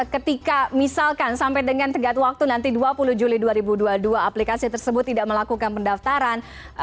ketika misalkan sampai dengan tegak waktu nanti dua puluh juli dua ribu dua puluh dua aplikasi tersebut tidak melakukan pendaftaran